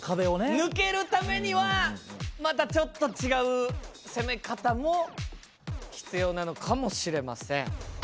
抜けためにはまたちょっと違う攻め方も必要なのかもしれません。